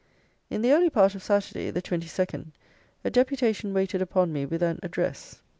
In the early part of Saturday, the 22nd, a deputation waited upon me with an address.